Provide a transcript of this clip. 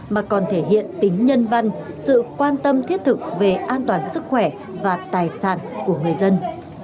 mà còn thể hiện tính nhân văn sự quan tâm thiết thực về an toàn sức khỏe và tài sản của người dân